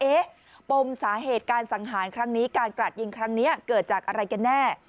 ปมสาเหตุการสังหารครั้งนี้การกราดยิงครั้งนี้เกิดจากอะไรกันแน่